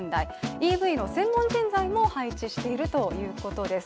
ＥＶの専門人材も配置しているということです。